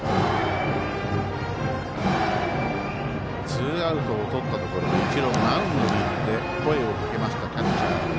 ツーアウトをとったところで一度、マウンドに行って声をかけました。